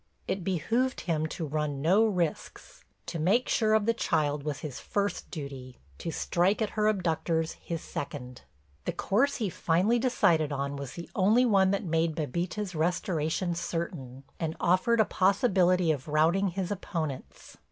It behooved him to run no risks; to make sure of the child was his first duty, to strike at her abductors his second. The course he finally decided on was the only one that made Bébita's restoration certain and offered a possibility of routing his opponents.